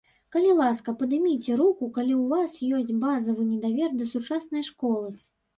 Калі ласка, падыміце руку, калі ў вас ёсць базавы недавер да сучаснай школы.